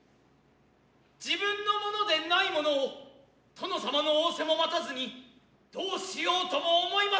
自分のものでないものを殿様の仰せも待たずに何うしようとも思ひませぬ。